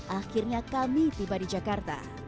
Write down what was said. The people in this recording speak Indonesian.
akhirnya kami tiba di jakarta